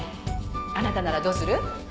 あなたならどうする？」